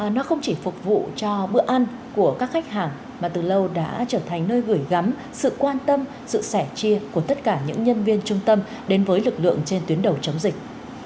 nó không chỉ phục vụ cho bữa ăn của các khách hàng mà từ lâu đã trở thành nơi gửi gắm sự quan tâm sự sẻ chia của tất cả những nhân viên trung tâm đến với lực lượng trên tuyến đầu chống dịch